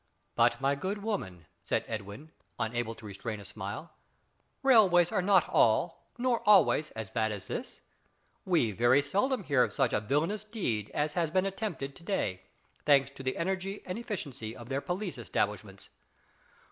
"But, my good woman," said Edwin, unable to restrain a smile, "railways are not all, nor always, as bad as this. We very seldom hear of such a villainous deed as has been attempted to day; thanks to the energy and efficiency of their police establishments."